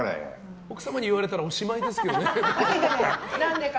奥様に言われたらおしまいですけどね。